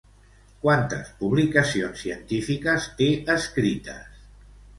Quantes publicacions científiques té escrites?